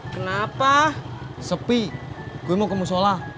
kenapa sepi gue mau ke musola